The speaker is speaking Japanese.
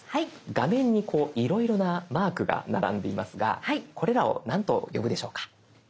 画面にこういろいろなマークが並んでいますがこれらを何と呼ぶでしょうか？